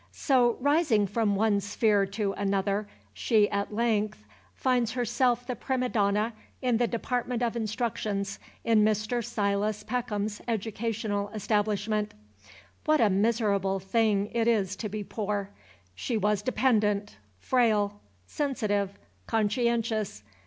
So, rising from one sphere to another, she at length finds herself the prima donna in the department of instruction in Mr. Silas Peckham's educational establishment. What a miserable thing it is to be poor. She was dependent, frail, sensitive, conscientious.